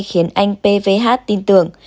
khiến anh b v h tin tưởng